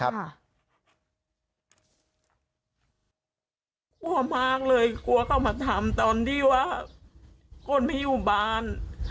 กลัวมากเลยกลัวเขามาทำตอนที่ว่าคนไม่อยู่บ้าน